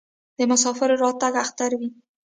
د مسافر راتګ اختر وي.